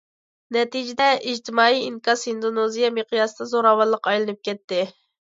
نەتىجىدە ئىجتىمائىي ئىنكاس ھىندونېزىيە مىقياسىدا زوراۋانلىققا ئايلىنىپ كەتتى.